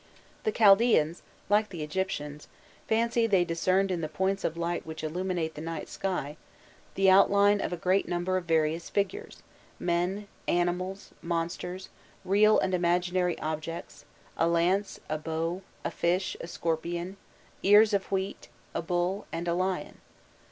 The Chaldaeans, like the Egyptians, fancied they discerned in the points of light which illuminate the nightly sky, the outline of a great number of various figures men, animals, monsters, real and imaginary objects, a lance, a bow, a fish, a scorpion, ears of wheat, a bull, and a lion.